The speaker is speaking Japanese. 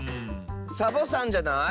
サボさんじゃない？